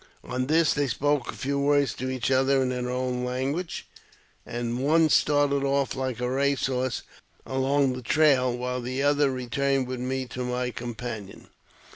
On this they spoke a few words to each other in their own language, and one started off like a race horse, along the trail, while the other re turned with me to my companion.